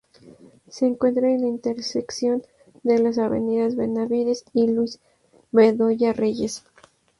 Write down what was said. Se encuentra en la intersección de las avenidas Benavides y Luis Bedoya Reyes.